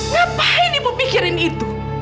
ngapain ibu mikirin itu